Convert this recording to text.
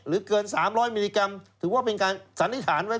เกิน๓๐๐มิลลิกรัมถือว่าเป็นการสันนิษฐานไว้